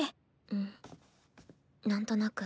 うんなんとなく。